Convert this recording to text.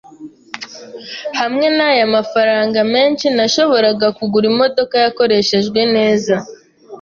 Hamwe naya mafranga menshi, nashoboraga kugura imodoka yakoreshejwe neza.